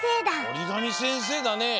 おりがみせんせいだね。